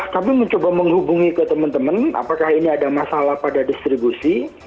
kami mencoba menghubungi ke teman teman apakah ini ada masalah pada distribusi